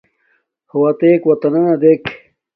ہݸ اتݵَک وطَنݳ دݵک.